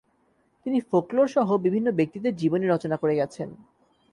তিনি ফোকলোরসহ বিভিন্ন ব্যক্তিত্বের জীবনী রচনা করে গেছেন।